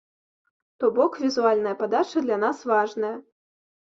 То бок, візуальная падача для нас важная.